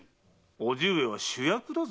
おじ上は主役だぞ。